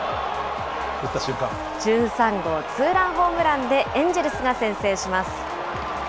１３号ツーランホームランでエンジェルスが先制します。